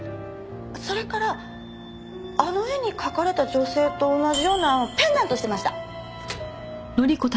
それからあの絵に描かれた女性と同じようなペンダントしてました。